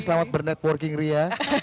selamat bernetworking ria